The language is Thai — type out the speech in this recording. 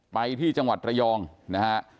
ไปที่จังหวัดระยองนะฮะ